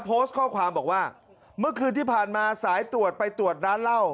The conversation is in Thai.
โพสต์ข้อความบอกว่าเมื่อคืนที่ผ่านมาสายตรวจไปตรวจร้านเหล้า